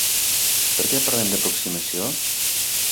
Per què parlem d’aproximació?